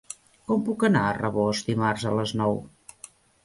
Com puc anar a Rabós dimarts a les nou?